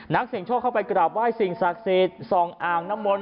นักเสียงโชคเข้าไปกราบไห้สิ่งศักดิ์สิทธิ์ส่องอ่างน้ำมนต